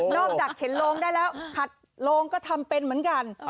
เข็นโลงได้แล้วขัดโลงก็ทำเป็นเหมือนกัน